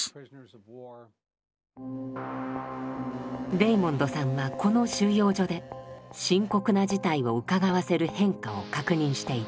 レイモンドさんはこの収容所で深刻な事態をうかがわせる変化を確認していた。